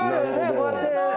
こうやって。